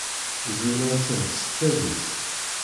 Zwina attan s tadist.